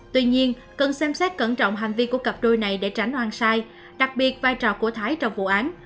tuy nhiên cần xem xét cẩn trọng hành vi của cặp đôi này để tránh hoang sai đặc biệt vai trò của thái trong vụ án